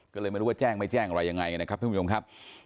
ก็เลยไม่รู้ว่าแจ้งไม่แจ้งอะไรยังไงนะครับท่านผู้ชมครับ